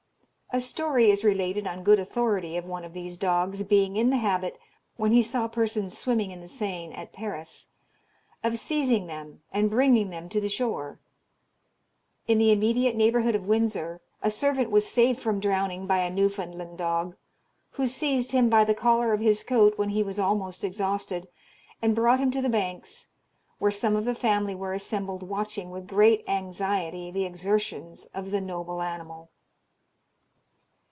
A story is related on good authority of one of these dogs being in the habit, when he saw persons swimming in the Seine at Paris, of seizing them and bringing them to the shore. In the immediate neighbourhood of Windsor a servant was saved from drowning by a Newfoundland dog, who seized him by the collar of his coat when he was almost exhausted, and brought him to the banks, where some of the family were assembled watching with great anxiety the exertions of the noble animal.